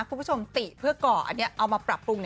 ติเพื่อก่ออันนี้เอามาปรับปรุง